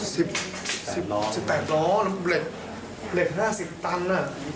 สิบสิบแปดล้อแล้วก็เหล็ก๕๐ตันน่ะ